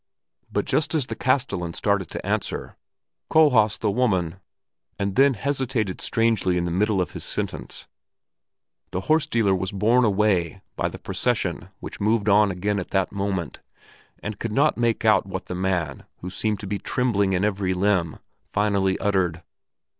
But just as the castellan started to answer "Kohlhaas, the woman " and then hesitated strangely in the middle of his sentence, the horse dealer was borne away by the procession which moved on again at that moment, and could not make out what the man, who seemed to be trembling in every limb, finally uttered.